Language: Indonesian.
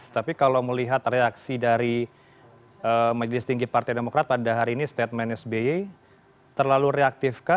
tapi kalau melihat reaksi dari majelis tinggi partai demokrat pada hari ini statement sby terlalu reaktifkah